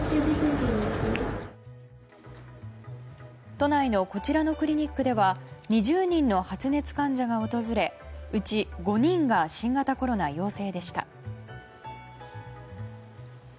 都内のこちらのクリニックでは２０人の発熱患者が訪れうち５人が新型コロナ陽性でした。